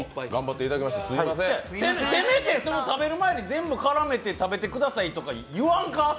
せめて、その食べる前に全部絡めて食べてくださいとか言わんか？